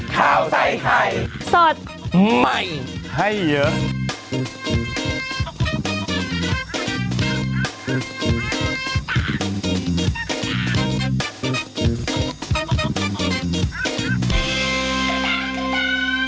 โปรดติดตามตอนต่อไป